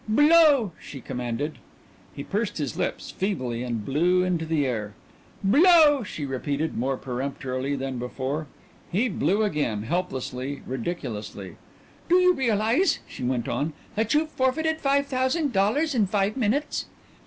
"Blow!" she commanded. He pursed his lips feebly and blew into the air. "Blow!" she repeated, more peremptorily than before. He blew again, helplessly, ridiculously. "Do you realize," she went on briskly, "that you've forfeited five thousand dollars in five minutes?"